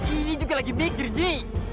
ini juga lagi mikir nyi